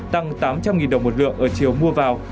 tăng tám trăm linh đồng một lượng ở chiều mua vào